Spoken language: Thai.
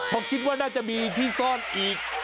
เพราะคิดว่าน่าจะมีที่ซ่อนอีก